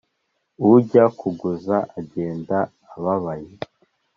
ujya kuguza, agenda-ababaye